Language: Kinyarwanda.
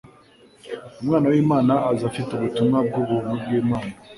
Umwana w'Imana aza afite ubutumwa bw'ubuntu bw'Imana.